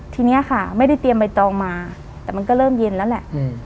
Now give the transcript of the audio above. ทีนี้ค่ะไม่ได้เตรียมใบตองมาแต่มันก็เริ่มเย็นแล้วแหละ